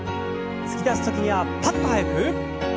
突き出す時にはパッと速く。